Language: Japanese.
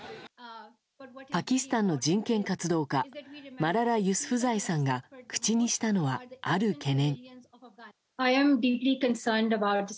パキスタンの人権活動家マララ・ユスフザイさんが口にしたのは、ある懸念。